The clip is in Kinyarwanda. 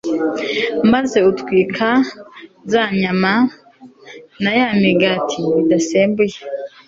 maze utwika za nyama na ya migati idasembuye